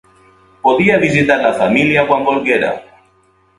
Podia visitar la família quan volguera.